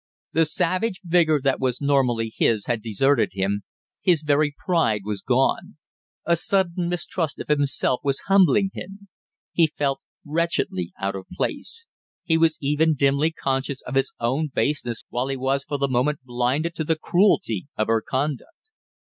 The savage vigor that was normally his had deserted him, his very pride was gone; a sudden mistrust of himself was humbling him; he felt wretchedly out of place; he was even dimly conscious of his own baseness while he was for the moment blinded to the cruelty of her conduct.